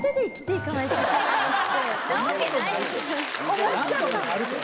思っちゃったの。